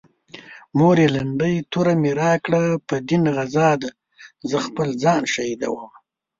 مورې لنډۍ توره مې راکړه په دين غزا ده زه خپل ځان شهيدومه